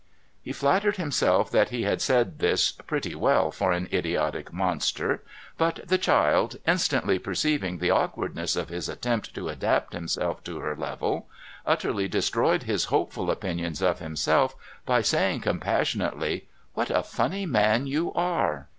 He flattered himself that he had said this pretty well for an idiotic monster; but the child, instantly perceiving the awkwardness of his attempt to adapt himself to her level, utterly destroyed his hopeful opinion of himself by saying compassionately :' What a funny man you are